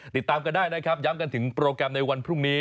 ติดตามกันได้นะครับย้ำกันถึงโปรแกรมในวันพรุ่งนี้